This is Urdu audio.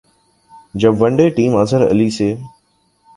جب one day team Azhar Ali سے